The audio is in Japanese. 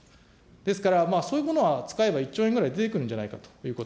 ですから、そういうものは使えば１兆円ぐらい出てくるんじゃないかということ。